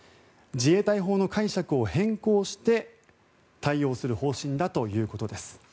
自衛隊法の解釈を変更して対応する方針だということです。